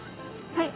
はい。